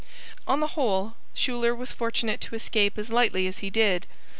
On the whole, Schuyler was fortunate to escape as lightly as he did.